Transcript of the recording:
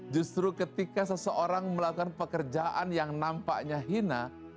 justru ketika seseorang melakukan pekerjaan yang nampaknya hina